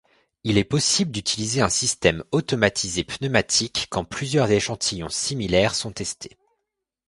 Il est possible d’utiliser un système automatisé pneumatique quand plusieurs échantillons similaires sont testés.